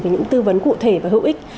với những tư vấn cụ thể và hữu ích